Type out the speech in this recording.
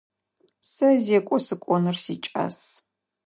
Сэ зекӏо сыкӏоныр сикӏас.